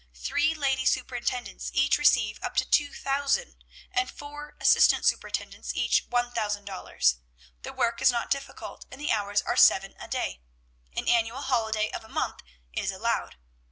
Three lady superintendents each receive up to $2,000, and four assistant superintendents each $1,000. The work is not difficult, and the hours are seven a day. An annual holiday of a month is allowed.'